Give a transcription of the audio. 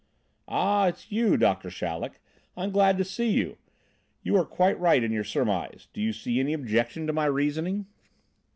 "Ah, it's you, Doctor Chaleck! I'm glad to see you! You are quite right in your surmise. Do you see any objection to my reasoning?"